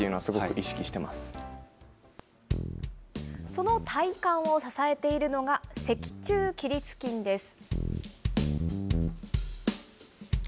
その体幹を支えているのが、脊柱起立筋です。